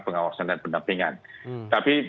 pengawasan dan pendampingan tapi